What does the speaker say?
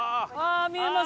見えます。